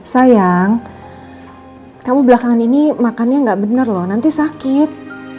sayang kamu belakangan ini makannya nggak bener loh nanti sakit